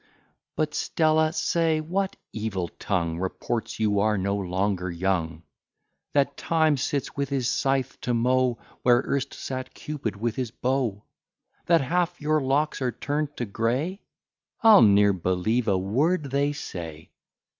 But, Stella, say, what evil tongue Reports you are no longer young; That Time sits with his scythe to mow Where erst sat Cupid with his bow; That half your locks are turn'd to gray? I'll ne'er believe a word they say.